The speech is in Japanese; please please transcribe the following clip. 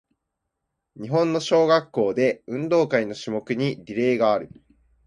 日本の小学校で、運動会の種目にリレーがある。